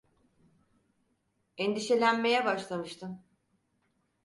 Endişelenmeye başlamıştım.